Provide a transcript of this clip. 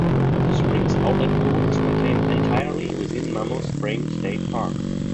The spring's outlet pool is contained entirely within Mammoth Spring State Park.